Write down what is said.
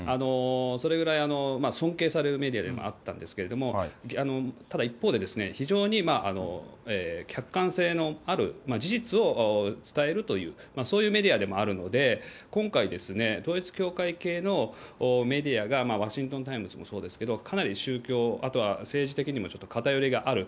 それぐらい尊敬されるメディアでもあったんですけども、ただ、一方で、非常に客観性のある事実を伝えるという、そういうメディアでもあるので、今回、統一教会系のメディアがワシントン・タイムズもそうですけど、かなり宗教、あとは政治的にもちょっと偏りがある。